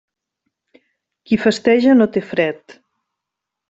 Qui festeja no té fred.